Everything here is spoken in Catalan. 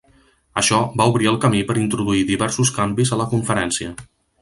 Això va obrir el camí per introduir diversos canvis a la conferència.